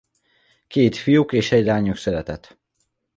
Két fiuk és egy lányuk született.